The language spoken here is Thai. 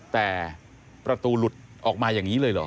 แต่ประตูหลุดออกมาอย่างนี้เลยเหรอ